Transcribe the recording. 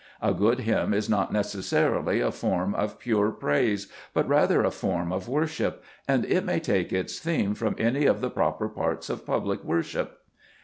A good hymn is not necessarily a form of pure praise, but rather a form of worship, and it may take its theme from any of the proper parts of public worship.